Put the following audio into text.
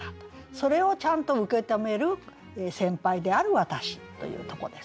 それをちゃんと受け止める先輩である私というとこですよね。